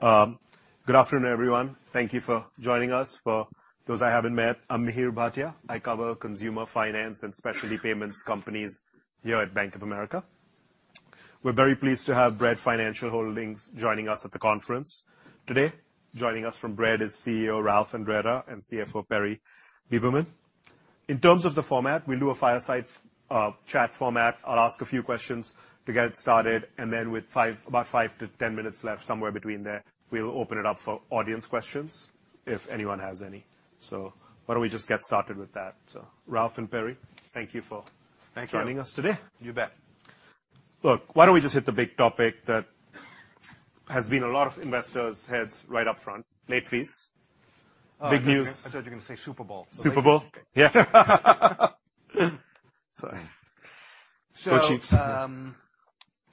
Good afternoon, everyone. Thank you for joining us. For those I haven't met, I'm Mihir Bhatia. I cover consumer finance and specialty payments companies here at Bank of America. We're very pleased to have Bread Financial Holdings joining us at the conference. Today, joining us from Bread is CEO Ralph Andretta and CFO Perry Beberman. In terms of the format, we'll do a fireside chat format. I'll ask a few questions to get it started, and then with about five to 10 minutes left, somewhere between there, we'll open it up for audience questions if anyone has any. Why don't we just get started with that? Ralph and Perry, thank you for Thank you. ...joining us today. You bet. Why don't we just hit the big topic that has been a lot of investors' heads right up front, late fees. Big news. Oh, okay. I thought you were gonna say Super Bowl. Super Bowl? Yeah. Sorry. What's your take?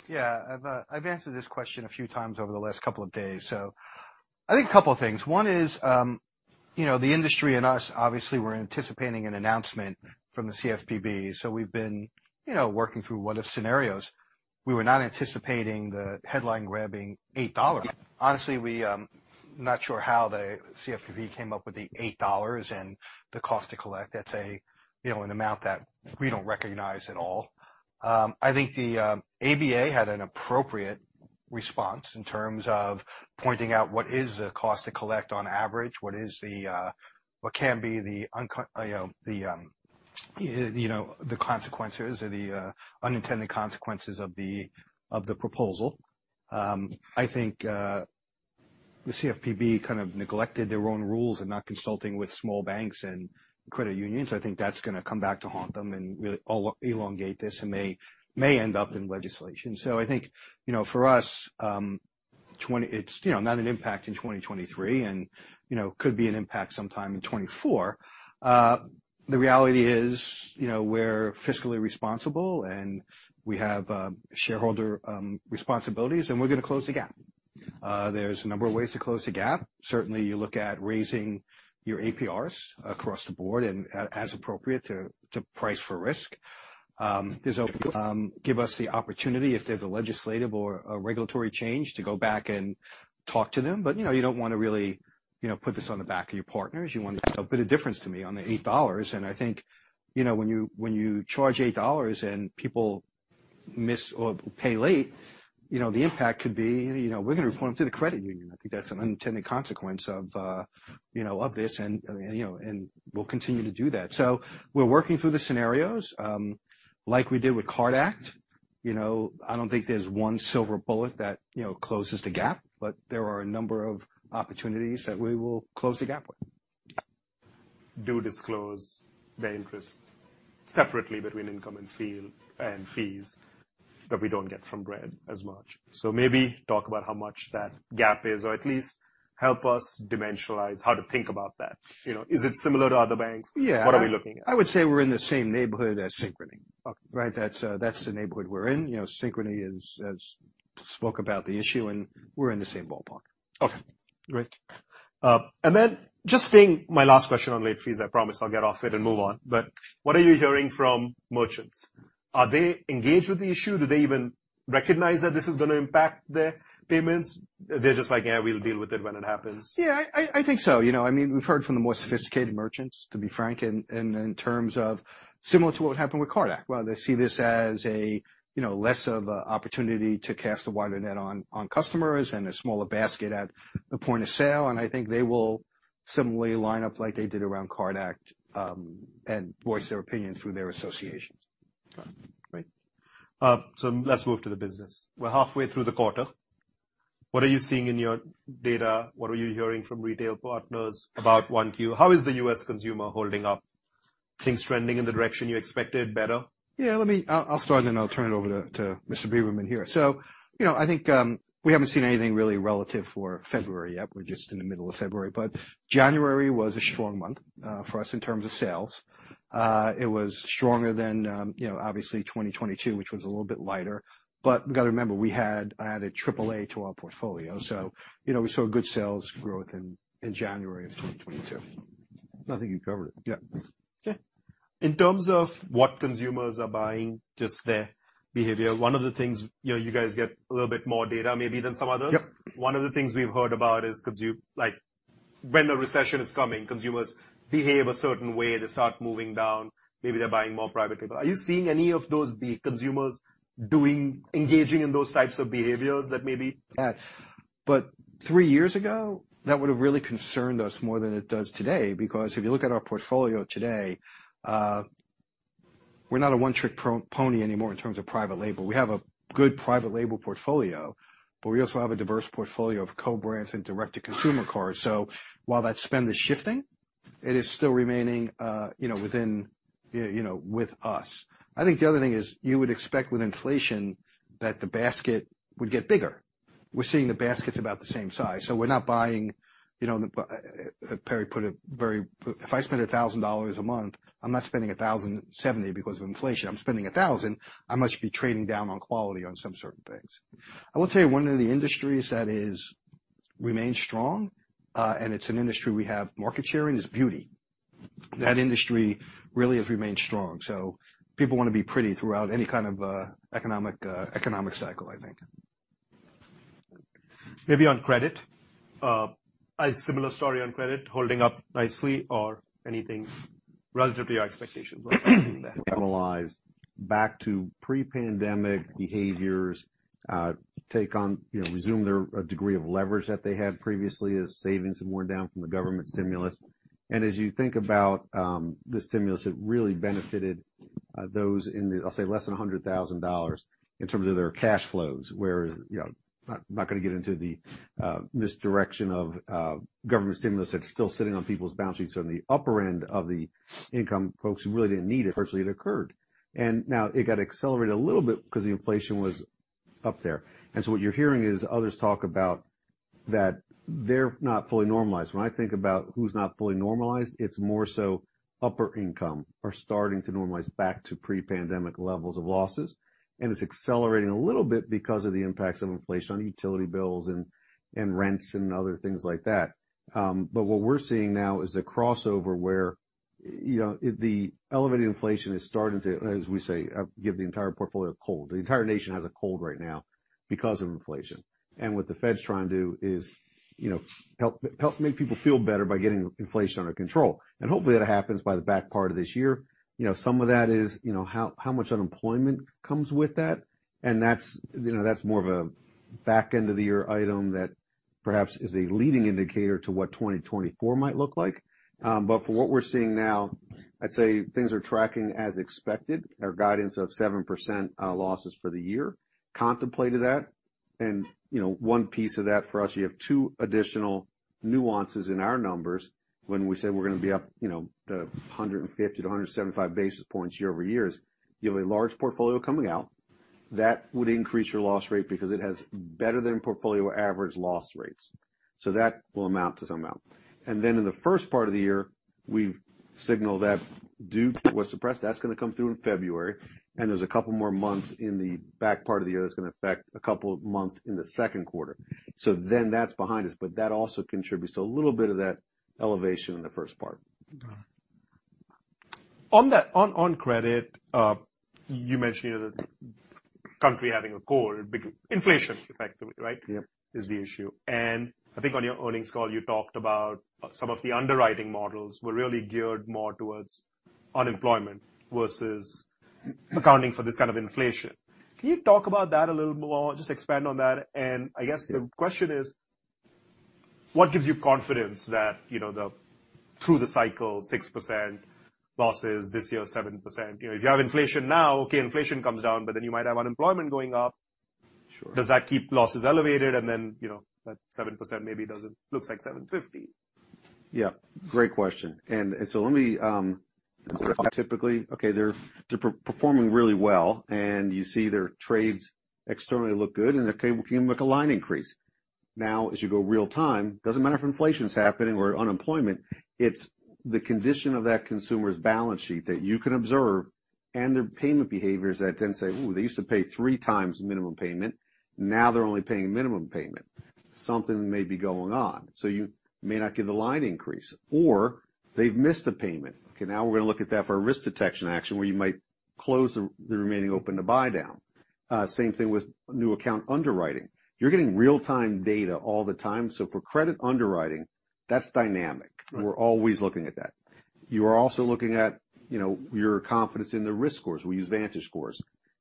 Yeah. I've answered this question a few times over the last couple of days. I think a couple things. One is, you know, the industry and us obviously were anticipating an announcement from the CFPB. We've been, you know, working through what-if scenarios. We were not anticipating the headline-grabbing $8. Yeah. Honestly, we, not sure how the CFPB came up with the $8 and the cost to collect. That's a, you know, an amount that we don't recognize at all. I think the ABA had an appropriate response in terms of pointing out what is the cost to collect on average, what can be the you know, the consequences or the unintended consequences of the proposal. I think the CFPB kind of neglected their own rules in not consulting with small banks and credit unions. I think that's gonna come back to haunt them and really elongate this, and may end up in legislation. I think, you know, for us, it's, you know, not an impact in 2023 and, you know, could be an impact sometime in 2024. The reality is, you know, we're fiscally responsible, and we have shareholder responsibilities, and we're gonna close the gap. There's a number of ways to close the gap. Certainly you look at raising your APRs across the board and as appropriate to price for risk. Give us the opportunity if there's a legislative or a regulatory change to go back and talk to them. You know, you don't wanna really, you know, put this on the back of your partners. You want to make a bit of difference to me on the $8. I think, you know, when you, when you charge $8 and people miss or pay late, you know, the impact could be, you know, we're gonna refer them to the credit union. I think that's an unintended consequence of, you know, of this and, you know, and we'll continue to do that. We're working through the scenarios, like we did with CARD Act. I don't think there's one silver bullet that, you know, closes the gap, but there are a number of opportunities that we will close the gap with. Do disclose the interest separately between income and fee, and fees that we don't get from Bread as much. Maybe talk about how much that gap is or at least help us dimensionalize how to think about that. You know, is it similar to other banks? Yeah. What are we looking at? I would say we're in the same neighborhood as Synchrony. Okay. Right? That's the neighborhood we're in. You know, Synchrony has spoke about the issue. We're in the same ballpark. Okay. Great. Just being my last question on late fees, I promise I'll get off it and move on. What are you hearing from merchants? Are they engaged with the issue? Do they even recognize that this is gonna impact their payments? Are they just like, "Yeah, we'll deal with it when it happens"? Yeah. I think so. You know, I mean, we've heard from the more sophisticated merchants, to be frank, in terms of similar to what would happen with CARD Act, where they see this as a, you know, less of a opportunity to cast a wider net on customers and a smaller basket at the point of sale, and I think they will similarly line up like they did around CARD Act, and voice their opinion through their associations. Okay. Great. Let's move to the business. We're halfway through the quarter. What are you seeing in your data? What are you hearing from retail partners about 1Q? How is the U.S. consumer holding up? Things trending in the direction you expected better? Yeah, let me I'll start, and then I'll turn it over to Mr. Beberman here. You know, I think we haven't seen anything really relative for February yet. We're just in the middle of February, but January was a strong month for us in terms of sales. It was stronger than, you know, obviously 2022, which was a little bit lighter. We gotta remember, we had added AAA to our portfolio, so, you know, we saw good sales growth in January of 2022. Nothing you covered. Yeah. Yeah. In terms of what consumers are buying, just their behavior, you know, one of the things, you guys get a little bit more data maybe than some others. Yep. One of the things we've heard about is, like, when the recession is coming, consumers behave a certain way. They start moving down. Maybe they're buying more private label. Are you seeing any of those consumers doing, engaging in those types of behaviors? Yeah. Three years ago, that would've really concerned us more than it does today, because if you look at our portfolio today, we're not a one-trick pony anymore in terms of private label. We have a good private label portfolio, but we also have a diverse portfolio of co-brands and direct-to-consumer cards. While that spend is shifting, it is still remaining, you know, within, you know, with us. I think the other thing is, you would expect with inflation that the basket would get bigger. We're seeing the basket's about the same size, so we're not buying, you know, Perry put it very If I spend $1,000 a month, I'm not spending $1,070 because of inflation. I'm spending $1,000. I must be trading down on quality on some certain things. I will tell you one of the industries that is remained strong, and it's an industry we have market share in, is beauty. That industry really has remained strong. People wanna be pretty throughout any kind of economic cycle, I think. Maybe on credit. A similar story on credit, holding up nicely or anything relative to your expectations. Analyze back to pre-pandemic behaviors, you know, resume their degree of leverage that they had previously as savings and more down from the government stimulus. As you think about, the stimulus that really benefited, those in the, I'll say, less than $100,000 in terms of their cash flows. Whereas, you know, not gonna get into the misdirection of government stimulus that's still sitting on people's balance sheets on the upper end of the income folks who really didn't need it virtually it occurred. Now it got accelerated a little bit 'cause the inflation was up there. What you're hearing is others talk about that they're not fully normalized. When I think about who's not fully normalized, it's more so upper income are starting to normalize back to pre-pandemic levels of losses, and it's accelerating a little bit because of the impacts of inflation on utility bills and rents and other things like that. What we're seeing now is the crossover where, you know, the elevated inflation is starting to, as we say, give the entire portfolio a cold. The entire nation has a cold right now because of inflation. What the Fed's trying to do is, you know, help make people feel better by getting inflation under control. Hopefully that happens by the back part of this year. You know, some of that is, you know, how much unemployment comes with that. That's, you know, that's more of a back end of the year item that perhaps is a leading indicator to what 2024 might look like. From what we're seeing now, I'd say things are tracking as expected. Our guidance of 7% losses for the year contemplated that. You know, one piece of that for us, you have two additional nuances in our numbers when we say we're gonna be up, you know, the 150-175 basis points year-over-year. You have a large portfolio coming out. That would increase your loss rate because it has better than portfolio average loss rates. That will amount to some amount. Then in the first part of the year, we've signaled that due was suppressed. That's gonna come through in February, and there's a couple more months in the back part of the year that's gonna affect a couple of months in the second quarter. That's behind us, but that also contributes to a little bit of that elevation in the first part. On credit, you mentioned the country having a cold, inflation effectively, right? Yep. Is the issue. I think on your earnings call, you talked about some of the underwriting models were really geared more towards unemployment versus accounting for this kind of inflation. Can you talk about that a little more? Just expand on that. I guess the question is: What gives you confidence that, you know, the through the cycle, 6% losses, this year, 7%, you know, if you have inflation now, okay, inflation comes down, but then you might have unemployment going up. Sure. Does that keep losses elevated and then, you know, that 7% maybe looks like 7.50%? Yeah. Great question. Let me, typically, okay, they're performing really well, and you see their trades externally look good, and they give them a line increase. Now, as you go real-time, doesn't matter if inflation's happening or unemployment, it's the condition of that consumer's balance sheet that you can observe and their payment behaviors that then say, "Ooh, they used to pay three times minimum payment. Now they're only paying minimum payment. Something may be going on." You may not give the line increase. They've missed a payment. Okay, now we're gonna look at that for a risk detection action where you might close the remaining open to buy down. Same thing with new account underwriting. You're getting real-time data all the time. For credit underwriting, that's dynamic. Right. We're always looking at that. You are also looking at, you know, your confidence in the risk scores. We use VantageScore.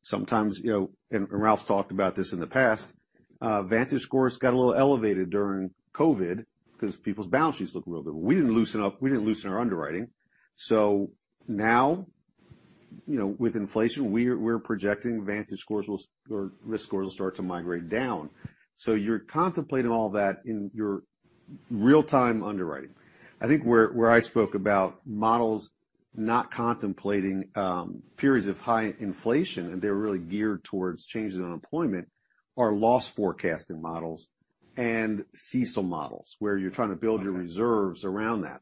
Sometimes, you know, and Ralph's talked about this in the past, VantageScore got a little elevated during COVID 'cause people's balance sheets looked a little bit. We didn't loosen up. We didn't loosen our underwriting. Now, you know, with inflation, we're projecting VantageScore or risk scores will start to migrate down. You're contemplating all that in your real-time underwriting. I think where I spoke about models not contemplating periods of high inflation, and they're really geared towards changes in unemployment are loss forecasting models and CECL models, where you're trying to build your reserves around that.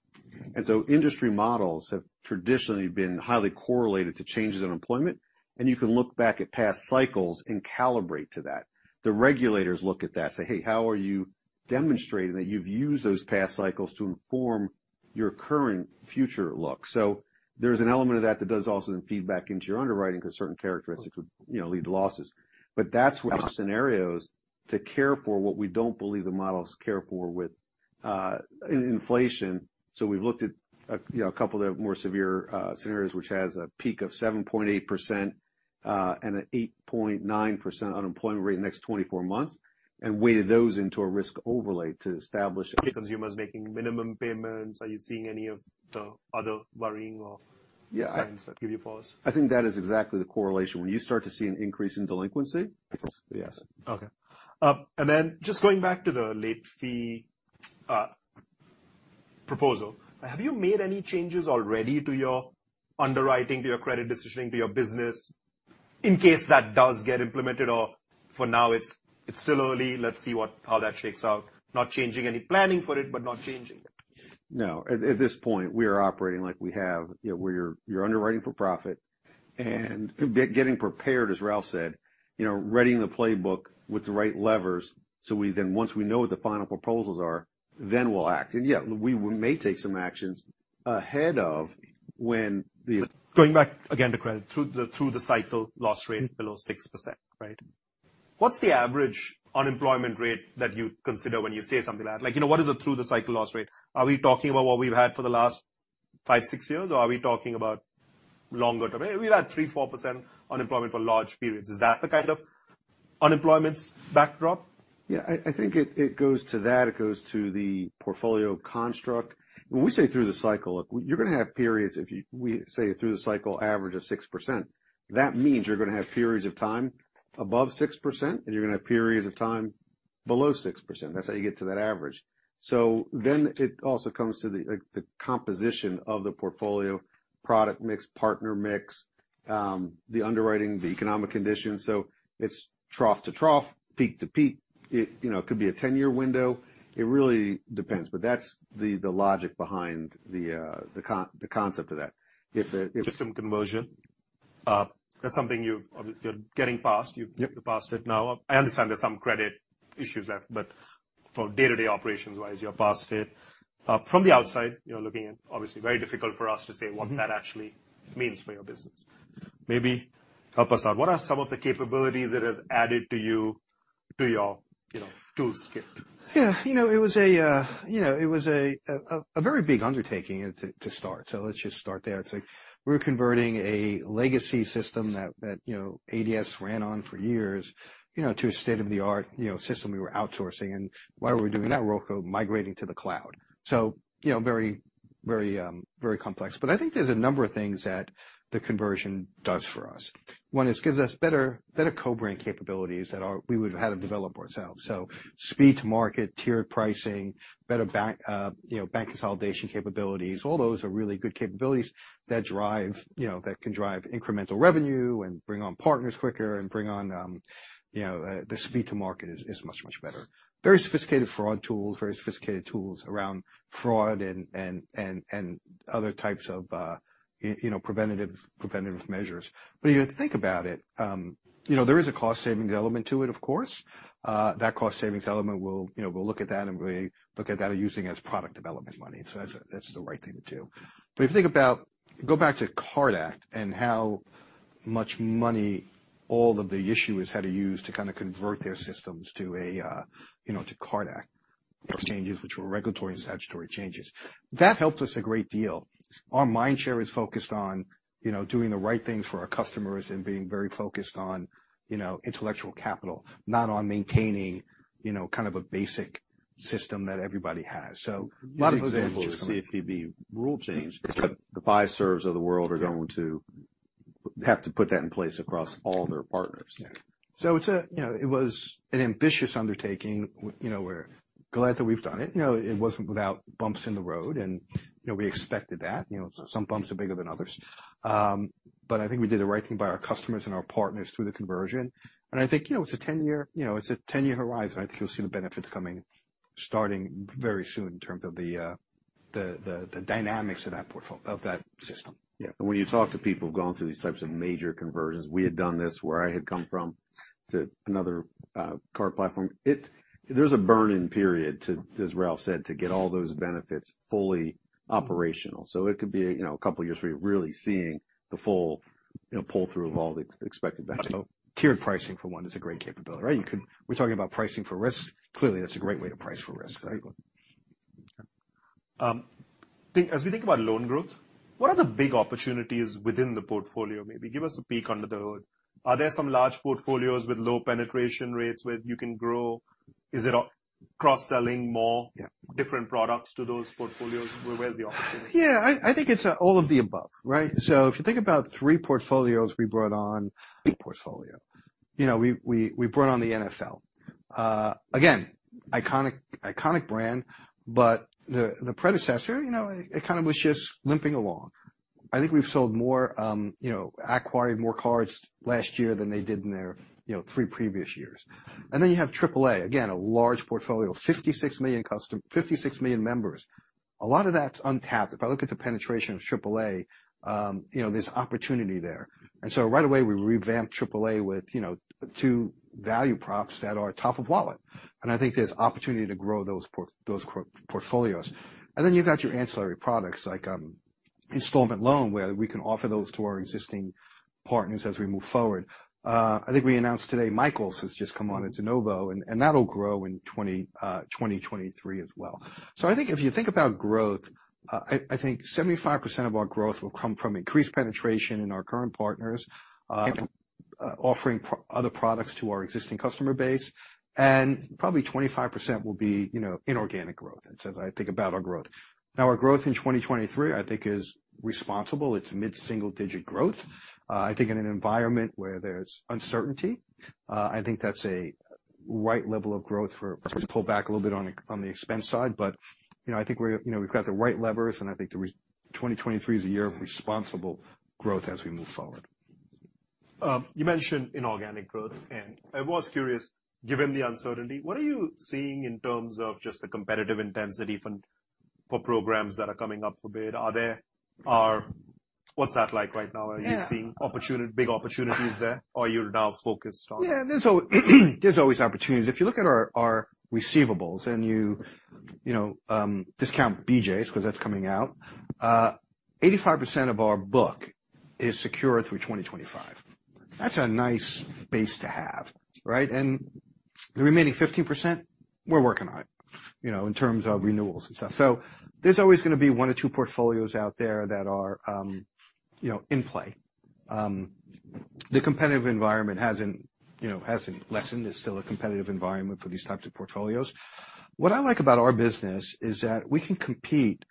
Industry models have traditionally been highly correlated to changes in employment, and you can look back at past cycles and calibrate to that. The regulators look at that, say, "Hey, how are you demonstrating that you've used those past cycles to inform your current future look?" There's an element of that that does also then feed back into your underwriting 'cause certain characteristics would, you know, lead to losses. That's what scenarios to care for what we don't believe the models care for with in inflation. We've looked at a, you know, couple of more severe scenarios, which has a peak of 7.8%, and an 8.9% unemployment rate in the next 24 months and weighted those into a risk overlay to establish. See consumers making minimum payments. Are you seeing any of the other worrying or- Yeah. signs that give you pause? I think that is exactly the correlation. When you start to see an increase in delinquency, yes. Okay. Just going back to the late fee proposal, have you made any changes already to your underwriting, to your credit decisioning, to your business in case that does get implemented? For now it's still early, let's see how that shakes out. Not changing any planning for it, but not changing it? No. At this point, we are operating like we have. You know, where you're underwriting for profit. Getting prepared, as Ralph said, you know, readying the playbook with the right levers, so we then once we know what the final proposals are, then we'll act. Yeah, we may take some actions ahead of when. Going back again to credit through the, through the cycle loss rate below 6%, right? What's the average unemployment rate that you consider when you say something like that? Like, you know, what is it through the cycle loss rate? Are we talking about what we've had for the last five, six years, or are we talking about longer-term? We've had 3%, 4% unemployment for large periods. Is that the kind of unemployment backdrop? Yeah, I think it goes to that. It goes to the portfolio construct. When we say through the cycle, look, you're gonna have periods if we say through the cycle average of 6%. That means you're gonna have periods of time above 6%, and you're gonna have periods of time below 6%. That's how you get to that average. It also comes to the composition of the portfolio, product mix, partner mix, the underwriting, the economic conditions. It's trough to trough, peak to peak. It, you know, could be a 10-year window. It really depends, but that's the logic behind the concept of that. If the- System conversion. You're getting past. Yep. You're past it now. I understand there's some credit issues left, but for day-to-day operations-wise, you're past it. From the outside, you know, looking in, obviously very difficult for us to say what that actually means for your business. Maybe help us out. What are some of the capabilities it has added to you, to your, you know, tool kit? Yeah. You know, it was a, you know, it was a very big undertaking to start. Let's just start there. It's like we're converting a legacy system that, you know, ADS ran on for years, you know, to a state-of-the-art, you know, system we were outsourcing. Why were we doing that? RoCo migrating to the cloud. You know, very, very complex. I think there's a number of things that the conversion does for us. One, it gives us better co-brand capabilities that are... we would've had to develop ourselves. Speed to market, tiered pricing, better bank, you know, bank consolidation capabilities, all those are really good capabilities that drive, you know, that can drive incremental revenue and bring on partners quicker and bring on, you know, the speed to market is much, much better. Very sophisticated fraud tools, very sophisticated tools around fraud and other types of, you know, preventative measures. If you think about it, you know, there is a cost-saving element to it, of course. That cost savings element we'll, you know, we'll look at that and we look at that using as product development money. That's the right thing to do. If you think about... go back to CARD Act and how much money all of the issuers had to use to kinda convert their systems to, you know, to CARD Act exchanges, which were regulatory and statutory changes. That helped us a great deal. Our mind share is focused on, you know, doing the right thing for our customers and being very focused on, you know, intellectual capital, not on maintaining, you know, kind of a basic system that everybody has. A lot of examples coming. CFPB rule change, the Fiservs of the world are going to have to put that in place across all their partners. It's a, you know, it was an ambitious undertaking. You know, we're glad that we've done it. You know, it wasn't without bumps in the road and, you know, we expected that. You know, some bumps are bigger than others. I think we did the right thing by our customers and our partners through the conversion. I think, you know, it's a 10-year, you know, it's a 10-year horizon. I think you'll see the benefits coming, starting very soon in terms of the, the dynamics of that system. When you talk to people who've gone through these types of major conversions, we had done this where I had come from to another card platform. There's a burn-in period to, as Ralph said, to get all those benefits fully operational. It could be, you know, a couple of years before you're really seeing the full, you know, pull-through of all the expected benefits. You know, tiered pricing for one is a great capability, right? We're talking about pricing for risk. Clearly, that's a great way to price for risk. Exactly. As we think about loan growth, what are the big opportunities within the portfolio? Maybe give us a peek under the hood. Are there some large portfolios with low penetration rates where you can grow? Is it cross-selling? Yeah. different products to those portfolios? Where, where's the opportunity? Yeah. I think it's all of the above, right? If you think about three portfolios we brought on, big portfolio. You know, we brought on the NFL. Again, iconic brand, but the predecessor, you know, it kind of was just limping along. I think we've sold more, you know, acquired more cards last year than they did in their, you know, three previous years. You have AAA, again, a large portfolio, 56 million members. A lot of that's untapped. If I look at the penetration of AAA, you know, there's opportunity there. Right away, we revamped AAA with, you know, two value props that are top of wallet. I think there's opportunity to grow those portfolios. You've got your ancillary products like installment loan, where we can offer those to our existing partners as we move forward. I think we announced today Michaels has just come on to Novi, and that'll grow in 2023 as well. I think if you think about growth, I think 75% of our growth will come from increased penetration in our current partners, offering other products to our existing customer base, and probably 25% will be, you know, inorganic growth as I think about our growth. Now, our growth in 2023, I think is responsible. It's mid-single digit growth. I think in an environment where there's uncertainty, I think that's a right level of growth for us to pull back a little bit on the expense side. You know, I think we're, you know, we've got the right levers, and I think 2023 is a year of responsible growth as we move forward. You mentioned inorganic growth, and I was curious, given the uncertainty, what are you seeing in terms of just the competitive intensity for programs that are coming up for bid? What's that like right now? Yeah. Are you seeing big opportunities there? Or you're now focused on- There's always opportunities. If you look at our receivables and you know, discount BJ's, 'cause that's coming out, 85% of our book is secure through 2025. That's a nice base to have, right? The remaining 15%, we're working on, you know, in terms of renewals and stuff. There's always gonna be one or two portfolios out there that are, you know, in play. The competitive environment hasn't, you know, hasn't lessened. There's still a competitive environment for these types of portfolios. What I like about our business is that we can compete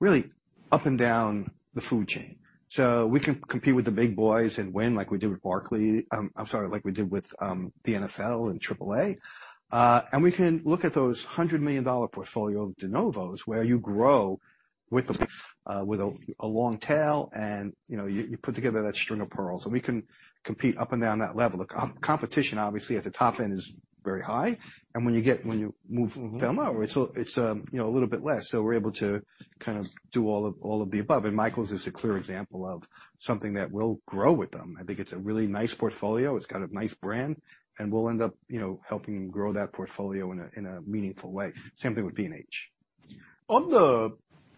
really up and down the food chain. We can compete with the big boys and win like we did with, I'm sorry, like we did with the NFL and AAA. We can look at those $100 million portfolio de novos, where you grow with a, with a long tail and, you know, you put together that string of pearls, and we can compete up and down that level. Competition, obviously, at the top end is very high. When you move down lower, it's, you know, a little bit less. We're able to kind of do all of, all of the above. Michaels is a clear example of something that will grow with them. I think it's a really nice portfolio. It's got a nice brand, and we'll end up, you know, helping them grow that portfolio in a, in a meaningful way. Same thing with PNH. On the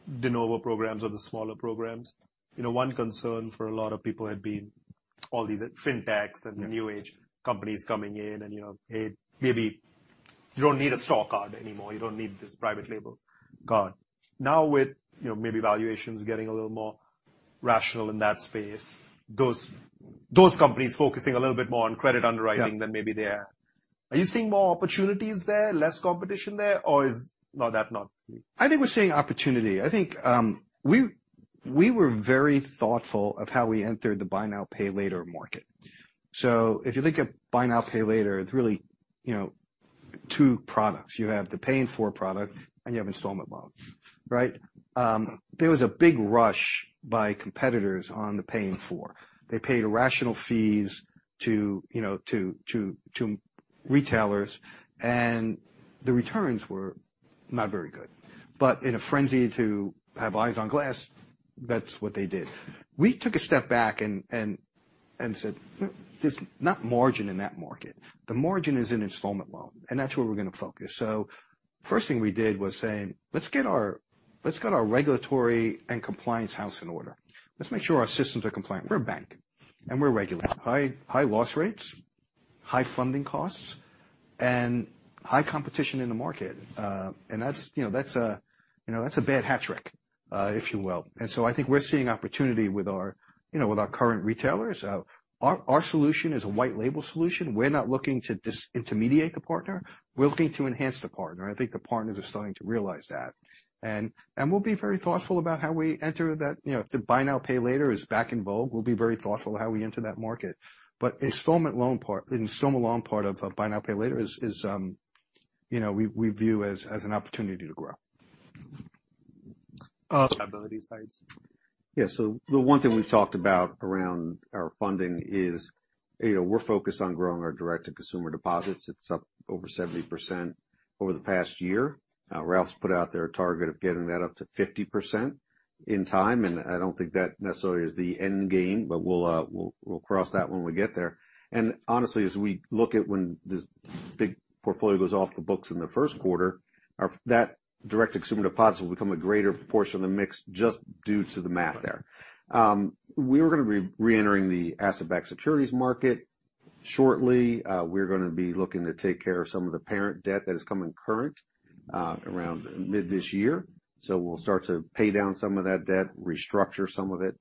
de novo programs or the smaller programs, you know, one concern for a lot of people had been all these fintechs. Yeah. The new age companies coming in and, you know, hey, maybe you don't need a store card anymore. You don't need this private label card. Now, with, you know, maybe valuations getting a little more rational in that space, those companies focusing a little bit more on credit underwriting. Yeah. -than maybe they are you seeing more opportunities there, less competition there, or? No, that not. I think we're seeing opportunity. I think we were very thoughtful of how we entered the buy now, pay later market. If you think of buy now, pay later, it's really, you know, two products. You have the paying for product, and you have installment loans, right? There was a big rush by competitors on the Bread Pay. They paid irrational fees to, you know, to retailers, and the returns were not very good. In a frenzy to have eyes on glass, that's what they did. We took a step back and said, "There's not margin in that market. The margin is in installment loan, and that's where we're gonna focus." First thing we did was say, "Let's get our regulatory and compliance house in order. Let's make sure our systems are compliant. We're a bank, and we're regulated. High, high loss rates, high funding costs, and high competition in the market. that's, you know, that's a, you know, that's a bad hat trick, if you will. I think we're seeing opportunity with our, you know, with our current retailers. Our solution is a white label solution. We're not looking to dis-intermediate the partner. We're looking to enhance the partner. I think the partners are starting to realize that. We'll be very thoughtful about how we enter that. You know, if the buy now, pay later is back in vogue, we'll be very thoughtful how we enter that market. The installment loan part of buy now, pay later is, you know, we view as an opportunity to grow. Stability sides. Yeah. The one thing we've talked about around our funding is, you know, we're focused on growing our direct-to-consumer deposits. It's up over 70% over the past year. Ralph's put out their target of getting that up to 50% in time. I don't think that necessarily is the end game, but we'll cross that when we get there. Honestly, as we look at when this big portfolio goes off the books in the first quarter, that direct-to-consumer deposits will become a greater proportion of the mix just due to the math there. We're gonna be re-entering the asset-backed securities market shortly. We're gonna be looking to take care of some of the parent debt that is coming current around mid this year. We'll start to pay down some of that debt, restructure some of it.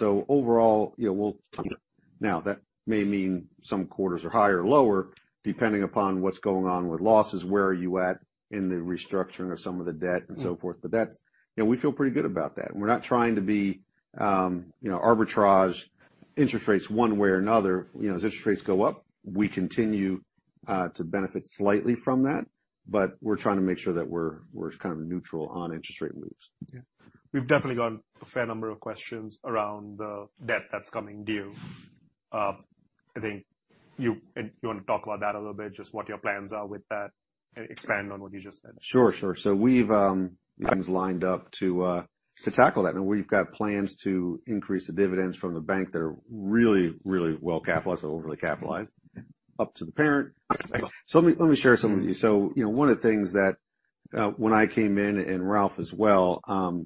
Overall, you know, we'll Now, that may mean some quarters are higher or lower, depending upon what's going on with losses, where are you at in the restructuring of some of the debt and so forth. That's. You know, we feel pretty good about that. We're not trying to be, you know, arbitrage interest rates one way or another. You know, as interest rates go up, we continue to benefit slightly from that, but we're trying to make sure that we're kind of neutral on interest rate moves. Yeah. We've definitely gotten a fair number of questions around the debt that's coming due. I think you wanna talk about that a little bit, just what your plans are with that? Expand on what you just said. Sure. We've, things lined up to tackle that, and we've got plans to increase the dividends from the bank that are really well-capitalized or overly capitalized. Yeah. Up to the parent. Let me share some with you. You know, one of the things that when I came in, and Ralph as well,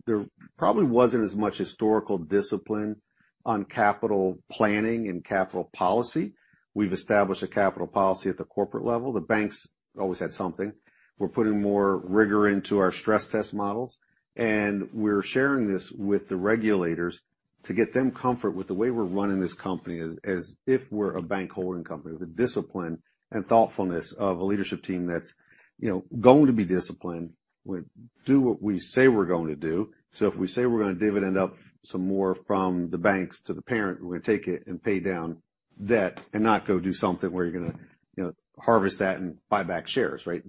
there probably wasn't as much historical discipline on capital planning and capital policy. We've established a capital policy at the corporate level. The banks always had something. We're putting more rigor into our stress test models, and we're sharing this with the regulators to get them comfort with the way we're running this company as if we're a bank holding company, with the discipline and thoughtfulness of a leadership team that's, you know, going to be disciplined. We do what we say we're going to do. If we say we're gonna dividend up some more from the banks to the parent, we're gonna take it and pay down debt and not go do something where you know, harvest that and buy back shares, right?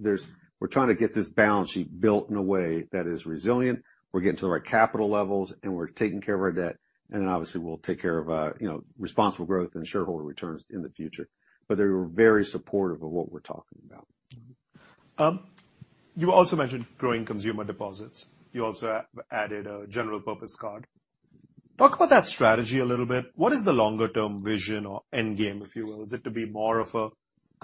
We're trying to get this balance sheet built in a way that is resilient. We're getting to the right capital levels. We're taking care of our debt. Obviously, we'll take care of, you know, responsible growth and shareholder returns in the future. They were very supportive of what we're talking about. You also mentioned growing consumer deposits. You also added a general purpose card. Talk about that strategy a little bit. What is the longer-term vision or end game, if you will? Is it to be more of a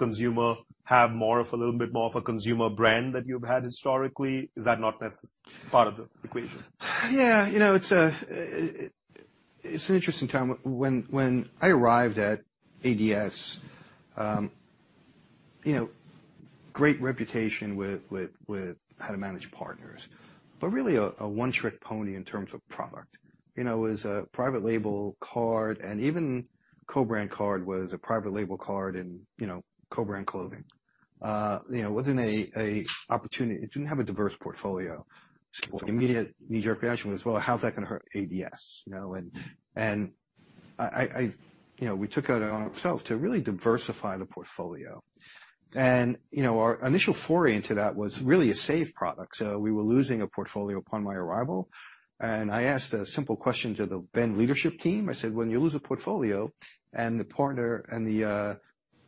little bit more of a consumer brand than you've had historically? Is that not part of the equation? Yeah. You know, it's an interesting time. When I arrived at ADS, you know, great reputation with how to manage partners, but really a one-trick pony in terms of product. You know, it was a private label card, and even co-brand card was a private label card and, you know, co-brand clothing. You know, it wasn't a opportunity. It didn't have a diverse portfolio. Immediate knee-jerk reaction was, "Well, how's that gonna hurt ADS?" You know, and I... You know, we took it on ourself to really diversify the portfolio. You know, our initial foray into that was really a safe product. We were losing a portfolio upon my arrival, and I asked a simple question to the then leadership team. I said, "When you lose a portfolio and the partner and the,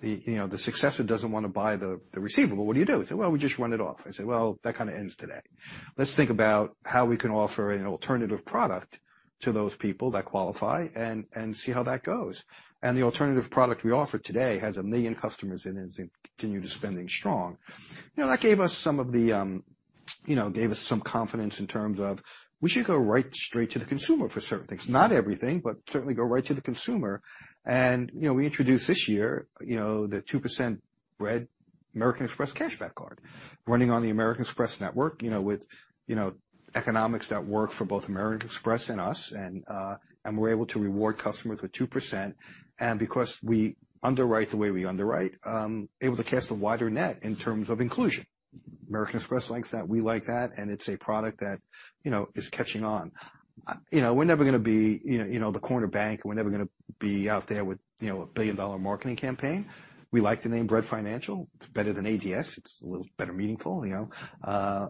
you know, the successor doesn't wanna buy the receivable, what do you do?" They said, "Well, we just run it off." I said, "Well, that kinda ends today. Let's think about how we can offer an alternative product to those people that qualify and see how that goes." The alternative product we offer today has 1 million customers in it and continue to spending strong. You know, that gave us some of the, you know, gave us some confidence in terms of we should go right straight to the consumer for certain things. Not everything, but certainly go right to the consumer. You know, we introduced this year, you know, the 2% Bread American Express Cashback card running on the American Express network, you know, with, you know, economics that work for both American Express and us. We're able to reward customers with 2%. Because we underwrite the way we underwrite, able to cast a wider net in terms of inclusion. American Express likes that, we like that, and it's a product that, you know, is catching on. You know, we're never gonna be, you know, you know, the corner bank. We're never gonna be out there with, you know, a billion-dollar marketing campaign. We like the name Bread Financial. It's better than ADS. It's a little better meaningful, you know.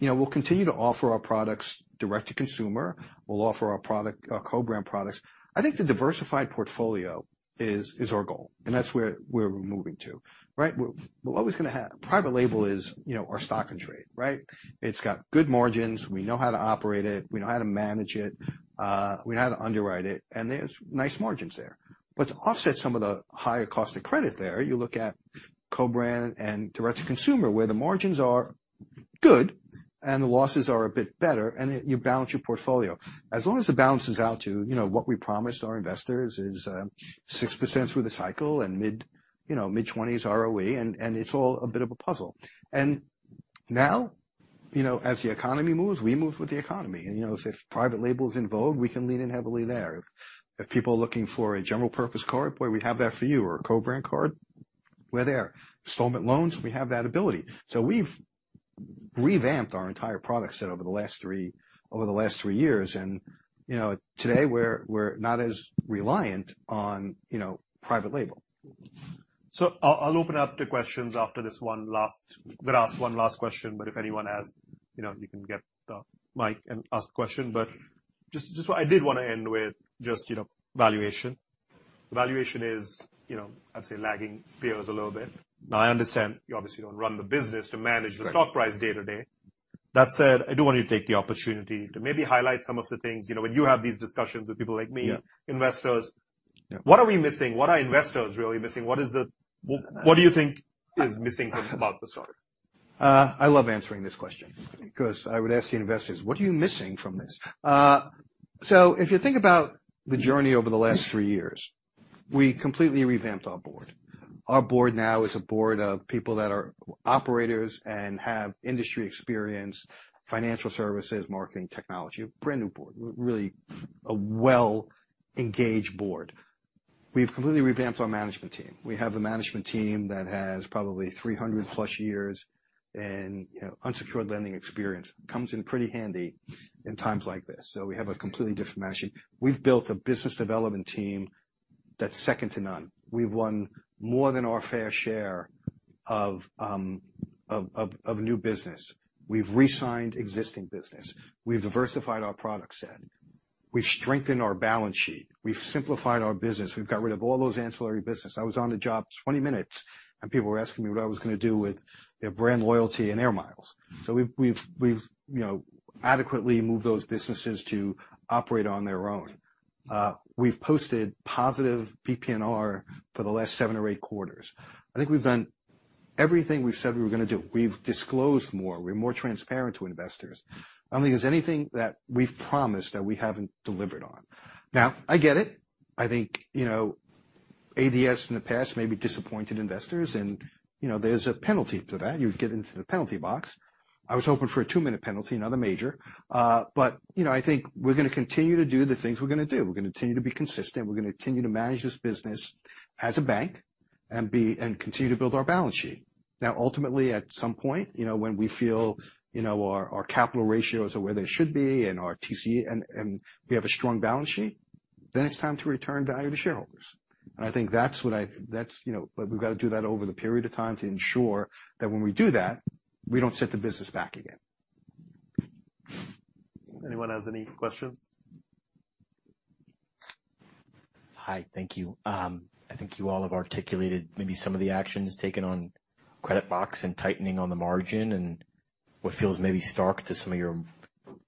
You know, we'll continue to offer our products direct-to-consumer. We'll offer our product, our co-brand products. I think the diversified portfolio is our goal, that's where we're moving to, right? We're always gonna have. Private label is, you know, our stock and trade, right? It's got good margins. We know how to operate it. We know how to manage it. We know how to underwrite it, there's nice margins there. To offset some of the higher cost of credit there, you look at co-brand and direct-to-consumer, where the margins are good and the losses are a bit better, you balance your portfolio. As long as it balances out to, you know, what we promised our investors is 6% through the cycle and mid, you know, mid-20s ROE, and it's all a bit of a puzzle. Now, you know, as the economy moves, we move with the economy. You know, if private label is in vogue, we can lean in heavily there. If people are looking for a general purpose card, boy, we have that for you. A co-brand card, we're there. Installment loans, we have that ability. We've revamped our entire product set over the last three years. You know, today we're not as reliant on, you know, private label. I'll open up to questions after we'll ask one last question, but you know, you can get the mic and ask the question. Just what I did wanna end with just, you know, valuation. Valuation is, you know, I'd say lagging peers a little bit. Now, I understand you obviously don't run the business to. Right. -the stock price day to day. That said, I do want you to take the opportunity to maybe highlight some of the things. You know, when you have these discussions with people like me- Yeah. -investors- Yeah. What are we missing? What are investors really missing? What is the... Well- What do you think is missing from about the stock? I love answering this question because I would ask the investors, "What are you missing from this?" If you think about the journey over the last three years, we completely revamped our board. Our board now is a board of people that are operators and have industry experience, financial services, marketing, technology. A brand-new board, really a well-engaged board. We've completely revamped our management team. We have a management team that has probably 300+ years in, you know, unsecured lending experience. Comes in pretty handy in times like this. We have a completely different management. We've built a business development team that's second to none. We've won more than our fair share of new business. We've resigned existing business. We've diversified our product set. We've strengthened our balance sheet. We've simplified our business. We've got rid of all those ancillary business. I was on the job 20 minutes, and people were asking me what I was gonna do with their BrandLoyalty and AIR MILES. We've, you know, adequately moved those businesses to operate on their own. We've posted positive PPNR for the last seven or eight quarters. I think we've done everything we've said we were gonna do. We've disclosed more. We're more transparent to investors. I don't think there's anything that we've promised that we haven't delivered on. Now, I get it. I think, you know, ADS in the past maybe disappointed investors and, you know, there's a penalty to that. You get into the penalty box. I was hoping for a 2-minute penalty, not a major. You know, I think we're gonna continue to do the things we're gonna do. We're gonna continue to be consistent. We're gonna continue to manage this business as a bank and continue to build our balance sheet. Ultimately, at some point, you know, when we feel, you know, our capital ratios are where they should be and our TC and we have a strong balance sheet, then it's time to return value to shareholders. I think that's what that's, you know. We've got to do that over the period of time to ensure that when we do that, we don't set the business back again. Anyone has any questions? Hi. Thank you. I think you all have articulated maybe some of the actions taken on credit box and tightening on the margin and what feels maybe stark to some of your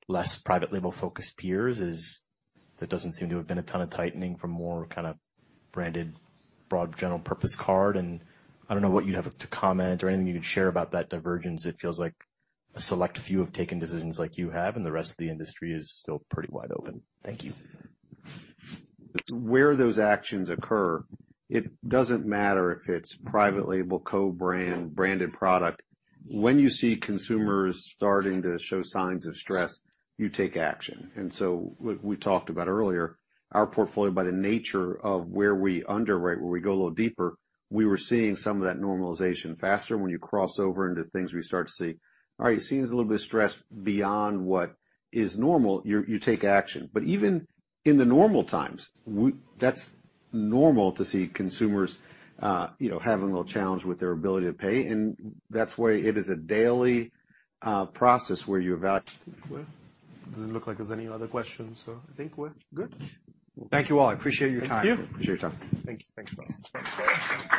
less private label-focused peers is there doesn't seem to have been a ton of tightening for more kind of branded broad general purpose card. I don't know what you'd have to comment or anything you could share about that divergence. It feels like a select few have taken decisions like you have, and the rest of the industry is still pretty wide open. Thank you. Where those actions occur, it doesn't matter if it's private label, co-brand, branded product. When you see consumers starting to show signs of stress, you take action. We talked about earlier our portfolio, by the nature of where we underwrite, where we go a little deeper, we were seeing some of that normalization faster. When you cross over into things we start to see, all right, it seems a little bit stressed beyond what is normal, you take action. Even in the normal times, that's normal to see consumers, you know, having a little challenge with their ability to pay, and that's why it is a daily, process where you eval. Doesn't look like there's any other questions. I think we're good. Thank you all. I appreciate your time. Thank you. Appreciate your time. Thank you. Thanks.